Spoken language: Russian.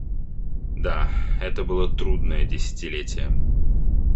Да, это было трудное десятилетие.